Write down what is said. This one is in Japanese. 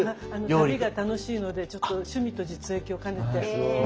旅が楽しいのでちょっと趣味と実益を兼ねて。